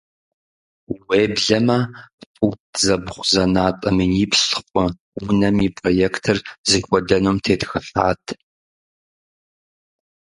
Уеблэмэ фут зэбгъузэнатӏэ миниплӏ хъу унэм и проектыр зыхуэдэнум тетхыхьат.